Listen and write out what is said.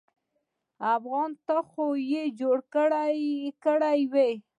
افغان ته خو يې جوړه کړې وه.